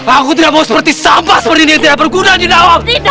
aku tidak mau seperti sampah seperti ini yang tidak berguna jinawan